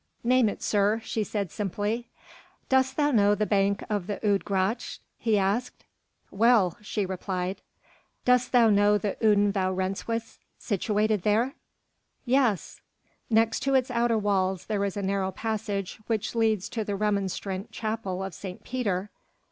"Name it, sir," she said simply. "Dost know the bank of the Oude Gracht?" he asked. "Well," she replied. "Dost know the Oudenvrouwenhuis situated there?" "Yes!" "Next to its outer walls there is a narrow passage which leads to the Remonstrant Chapel of St. Pieter."